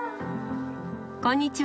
こんにちは。